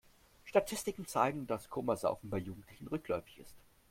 Statistiken zeigen, dass Komasaufen bei Jugendlichen rückläufig ist.